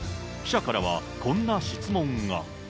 記者からはこんな質問が。